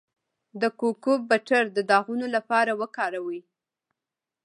د کوکو بټر د داغونو لپاره وکاروئ